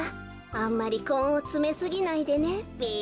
あんまりこんをつめすぎないでねべ。